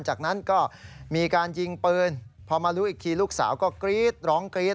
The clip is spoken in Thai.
จากนั้นก็มีการยิงปืนพอมารู้อีกทีลูกสาวก็กรี๊ดร้องกรี๊ด